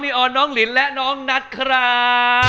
นี่ออนช่องผลิตและน้องนัทครั้ง